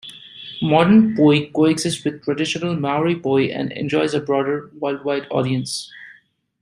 Modern poi coexists with traditional Maori poi and enjoys a broader, worldwide audience.